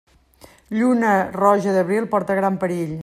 Lluna roja d'abril porta gran perill.